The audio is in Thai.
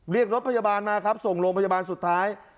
เรียกรถพยาบาลมาครับส่งโรงพยาบาลสุดท้าย